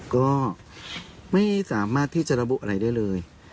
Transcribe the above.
ก็ไม่สามารถที่จะระบุอะไรได้เลย